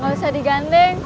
gak usah digandeng